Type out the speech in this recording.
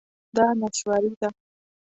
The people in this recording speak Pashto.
دا نسواري ده